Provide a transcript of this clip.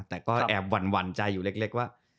แต่ก็แอบหวั่นใจอยู่เล็กว่า